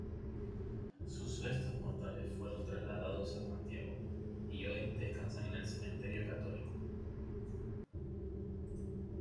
Sus restos mortales fueron trasladados a Santiago, y hoy descansan en el Cementerio Católico.